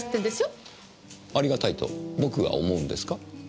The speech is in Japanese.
ありがたいと僕が思うんですか？